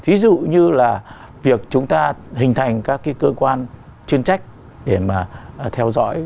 ví dụ như là việc chúng ta hình thành các cái cơ quan chuyên trách để mà theo dõi